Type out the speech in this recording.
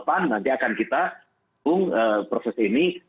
dan nanti akan kita hubungi proses ini